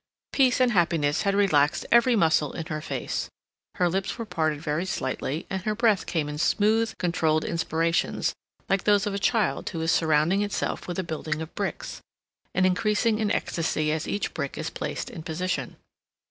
Peace and happiness had relaxed every muscle in her face; her lips were parted very slightly, and her breath came in smooth, controlled inspirations like those of a child who is surrounding itself with a building of bricks, and increasing in ecstasy as each brick is placed in position.